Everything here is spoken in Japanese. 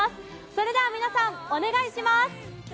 それでは皆さん、お願いします。